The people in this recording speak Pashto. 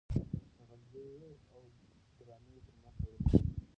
د غلجیو او درانیو ترمنځ تړون وسو.